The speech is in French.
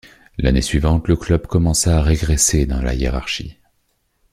L’année suivante, le club commença à régresser dans la hiérarchie.